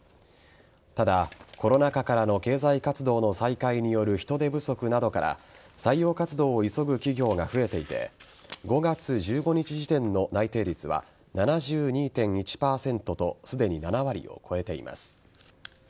ただ、コロナ禍からの経済活動の再開による人手不足などから採用活動を急ぐ企業が増えていて５月１５日時点の内定率は７２．１％とすでに７割を超えています。